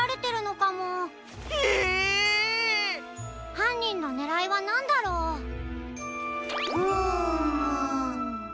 はんにんのねらいはなんだろう？ふむ。